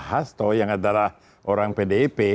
hasto yang adalah orang pdip